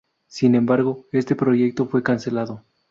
Sin embargo, este proyecto fue cancelado.